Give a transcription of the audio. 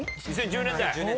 ２０１０年代！